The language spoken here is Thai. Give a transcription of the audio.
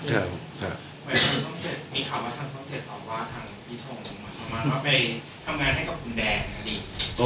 มีข่าวว่าท่านท่องเจ็ด